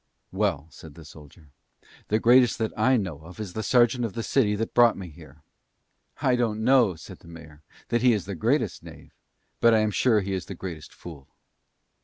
"Well," said the soldier, "the greatest that I know of is the serjeant of the city that brought me here." "I don't know," said the mayor, "that he is the greatest knave, but I am sure he is the greatest fool."